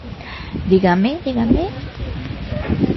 Dígame, dígame?